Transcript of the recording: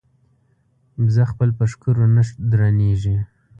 بزه خپل په ښکرو نه درنېږي.